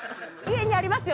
家にあります。